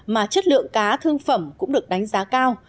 mà chất lượng cá thương phẩm cũng được đánh giá cao